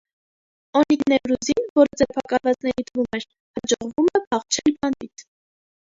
Օնիկ Նևրուզին, որը ձերբակալվածների թվում էր, հաջողվում է փախչել բանտից։